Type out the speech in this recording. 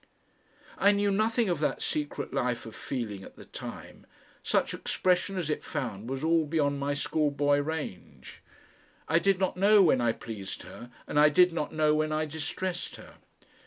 I knew nothing of that secret life of feeling at the time; such expression as it found was all beyond my schoolboy range. I did not know when I pleased her and I did not know when I distressed her.